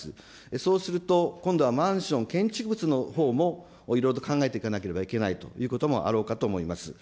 そうすると、今度はマンション、建築物のほうも、いろいろと考えていかなければいけないということもあろうかと思います。